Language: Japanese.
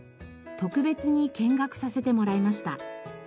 特別に見学させてもらいました。